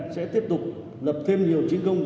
sẽ tiếp tục lập thêm nhiều chiến công